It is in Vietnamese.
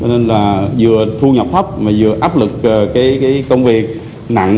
nên là vừa thu nhập thấp mà vừa áp lực cái công việc nặng